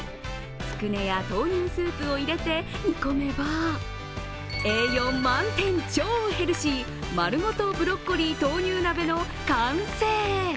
つくねや豆乳スープを入れて煮込めば栄養満点、超ヘルシーまるごとブロッコリー豆乳鍋の完成。